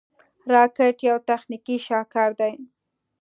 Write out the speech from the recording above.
راکټ یو تخنیکي شاهکار دی